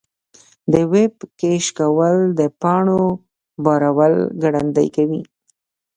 د ویب کیش کول د پاڼو بارول ګړندي کوي.